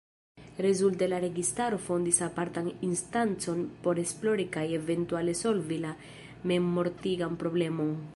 Rezulte la registaro fondis apartan instancon por esplori kaj eventuale solvi la memmortigan problemon.